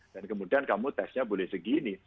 dan kemudian kamu testnya boleh segini